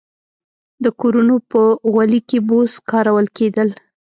د کورونو په غولي کې بوس کارول کېدل.